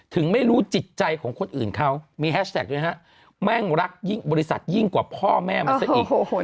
ถึงไม่รู้จิตใจของคนอื่นเขามีแฮชแท็กด้วยฮะแม่งรักยิ่งบริษัทยิ่งกว่าพ่อแม่มันซะอีก